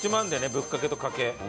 ぶっかけとかけ。